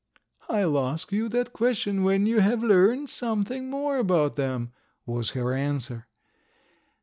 "I'll ask you that question when you have learned something more about them," was her answer.